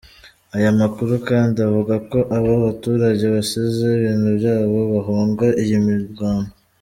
Aya makuru kandi avuga ko aba baturage basize ibintu byabo bahunga iyi mirwano.